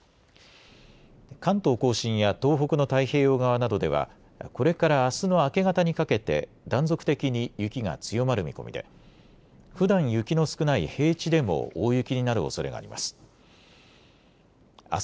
関東甲信や東北の太平洋側などではこれからあすの明け方にかけて断続的に雪が強まる見込みでふだん雪の少ない平地でも大雪になるおそれがあります。